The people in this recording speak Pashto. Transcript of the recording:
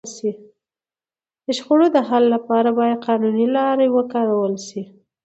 د شخړو د حل لپاره باید قانوني لاري وکارول سي.